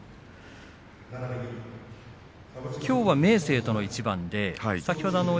きょうは明生との一番です。